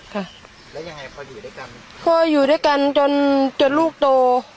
ค่ะแล้วยังไงพออยู่ด้วยกันพออยู่ด้วยกันจนจนลูกโต